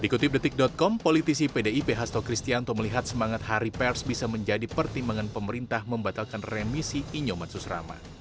dikutip detik com politisi pdip hasto kristianto melihat semangat hari pers bisa menjadi pertimbangan pemerintah membatalkan remisi inyoman susrama